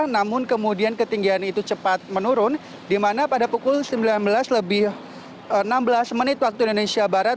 namun kemudian ketinggian itu cepat menurun di mana pada pukul sembilan belas lebih enam belas menit waktu indonesia barat